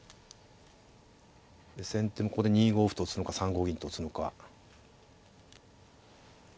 先手もここで２五歩と打つのか３五銀と打つのか。